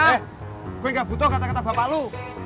eh gue gak butuh kata kata bapak lu